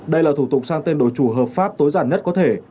đây là thủ tục sang tên đối chủ hợp pháp tối giản nhất có thể